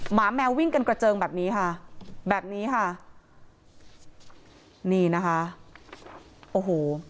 หมาแมววิ่งกันกระเจิงแบบนี้ค่ะแบบนี้ค่ะนี่นะคะโอ้โห